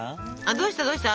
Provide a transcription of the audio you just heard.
どうしたどうした？